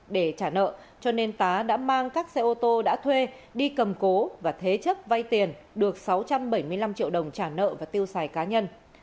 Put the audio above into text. để trả nợ cho nên tá đã mang các xe ô tô đã thuê đi cầm cố và thế chấp vay tiền được sáu trăm bảy mươi năm triệu đồng trả nợ và tiêu xài cá nhân